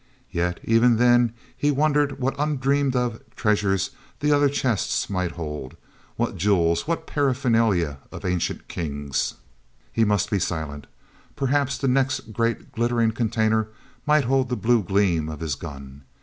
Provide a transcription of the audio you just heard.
Yet, even then, he wondered what undreamed of treasures the other chests might hold—what jewels, what paraphernalia of ancient kings. He must be silent! Perhaps the next great glittering container might hold the blue gleam of his gun.